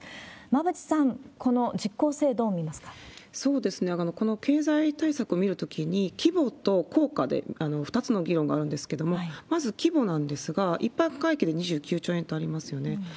馬渕さん、この実効性、この経済対策を見るときに、規模と効果で２つの議論があるんですけれども、まず規模なんですが、一般会計で２９兆円とありますよね。